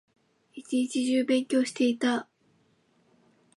一日中勉強していた